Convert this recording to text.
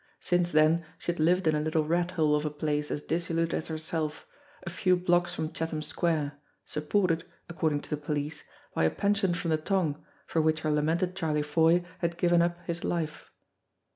Since then she had lived in a little rat hole of a place as dissolute as herself, a few olocks from Chatham Square, supported, according to the police, by a pension from the Tong for which her lamented Charlie Foy had given up his life.